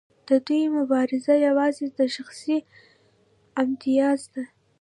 د دوی مبارزه یوازې د شخصي امتیاز ده.